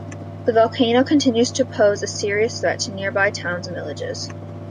The volcano continues to pose a serious threat to nearby towns and villages.